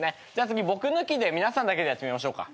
次僕抜きで皆さんだけでやってみましょうか。